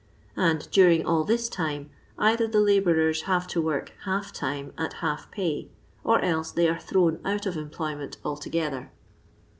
And during all this time cither the labouren have to work half time at half pay, or else they are thrown out of employ ment altogether.